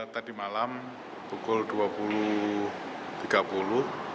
tadi malam pukul dua puluh tiga puluh